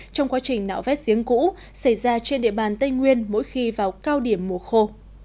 trong quá trình nạo vét giếng cũ xảy ra trên địa bàn tây nguyên mỗi khi vào cao điểm mùa khô